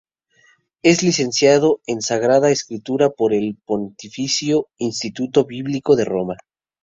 Es Licenciado en Sagrada Escritura por el Pontificio Instituto Bíblico de Roma.